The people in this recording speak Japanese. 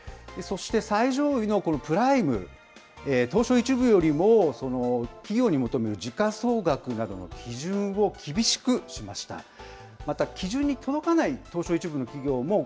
そして、最上位のプライム、東証１部よりも、企業に求める時価総額などの基準を厳しくしました。